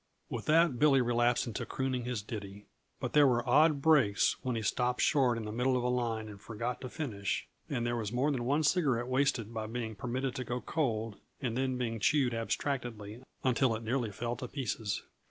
With that, Billy relapsed into crooning his ditty. But there were odd breaks when he stopped short in the middle of a line and forgot to finish, and there was more than one cigarette wasted by being permitted to go cold and then being chewed abstractedly until it nearly fell to pieces.